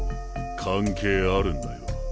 関係あるんだよ。